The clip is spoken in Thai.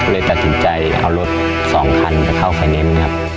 เลยตัดสินใจเอารถสองคันไปเข้าไข่เน้มนะครับ